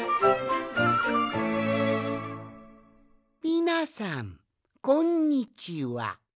みなさんこんにちは。